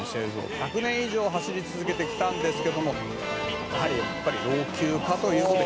１００年以上走り続けてきたんですけどもやはり老朽化という事で。